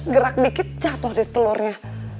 gerak dikit jatuh telurnya